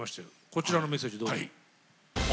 こちらのメッセージどうぞ。